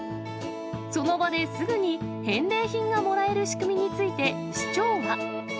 その場ですぐに返礼品がもらえる仕組みについて、市長は。